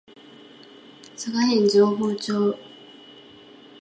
佐賀県上峰町